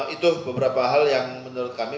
itu beberapa hal yang menurut kami